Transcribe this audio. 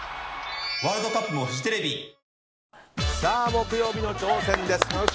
木曜日の挑戦です。